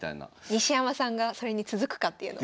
西山さんがそれに続くかっていうのも。